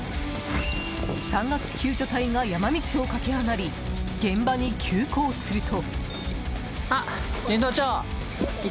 山岳救助隊が山道を駆け上がり現場に急行すると。